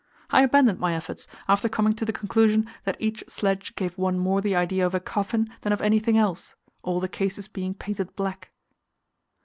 I abandoned my efforts, after coming to the conclusion that each sledge gave one more the idea of a coffin than of anything else, all the cases being painted black.